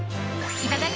いただき！